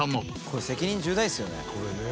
これ責任重大ですよね。